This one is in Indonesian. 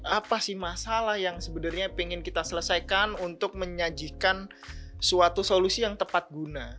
apa sih masalah yang sebenarnya ingin kita selesaikan untuk menyajikan suatu solusi yang tepat guna